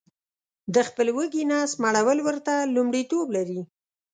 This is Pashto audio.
د خپل وږي نس مړول ورته لمړیتوب لري